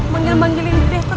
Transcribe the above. manggil manggilin dede terus kang